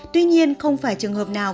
tuy nhiên không phải trường hợp nào